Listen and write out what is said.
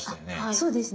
そうですね。